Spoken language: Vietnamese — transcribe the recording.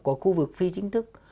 của khu vực phi chính thức